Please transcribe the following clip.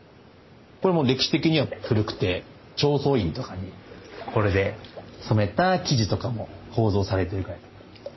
これも歴史的には古くて正倉院とかにこれで染めた生地とかも宝蔵されているぐらい。